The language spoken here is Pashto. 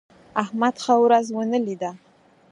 احمد ښه ورځ ونه لیده.